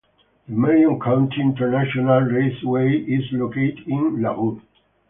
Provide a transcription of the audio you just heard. The Marion County International Raceway is located in LaRue.